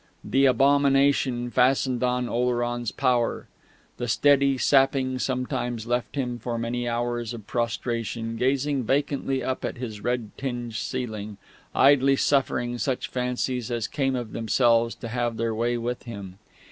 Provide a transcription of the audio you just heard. The Abomination fastened on Oleron's power. The steady sapping sometimes left him for many hours of prostration gazing vacantly up at his red tinged ceiling, idly suffering such fancies as came of themselves to have their way with him.